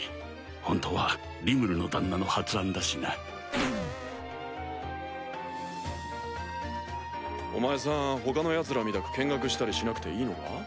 本当はリムルの旦那の発案だしなお前さん他のヤツらみたく見学したりしなくていいのか？